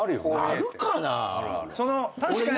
あるかな？